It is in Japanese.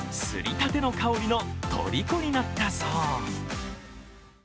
すりたての香りのとりこになったそう。